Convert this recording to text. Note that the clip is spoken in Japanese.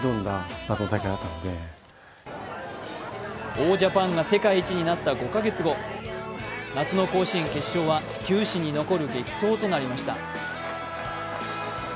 王ジャパンが世界一になった５か月後、夏の甲子園決勝は球史に残る激闘となりました。